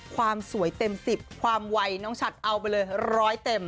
ความสวยเต็ม๑๐ความวัยน้องชัดเอาไปเลยร้อยเต็ม